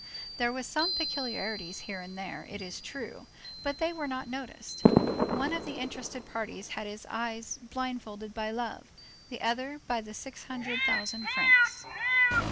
There were some peculiarities here and there, it is true, but they were not noticed; one of the interested parties had his eyes blindfolded by love, the others by the six hundred thousand francs.